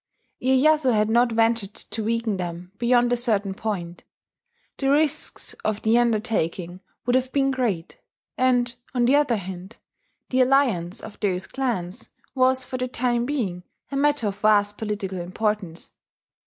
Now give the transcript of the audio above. Iyeyasu had not ventured to weaken them beyond a certain point: the risks of the undertaking would have been great; and, on the other hand, the alliance of those clans was for the time being a matter of vast political importance.